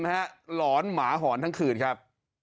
หลอนหมาหอนทั้งคืนครับ